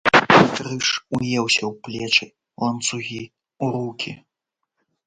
Крыж уеўся ў плечы, ланцугі у рукі!